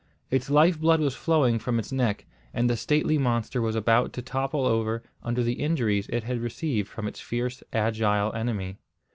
Its life blood was flowing from its neck, and the stately monster was about to topple over under the injuries it had received from its fierce, agile enemy.